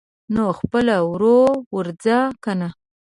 نو خپله ور ووځه کنه.